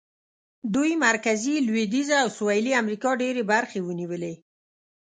دوی مرکزي، لوېدیځه او سوېلي امریکا ډېرې برخې ونیولې.